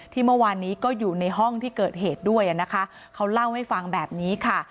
เมื่อวานนี้ก็อยู่ในห้องที่เกิดเหตุด้วยนะคะเขาเล่าให้ฟังแบบนี้ค่ะ